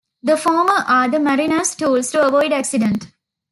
The former are the mariner's tools to avoid accident.